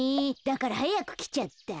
だからはやくきちゃった。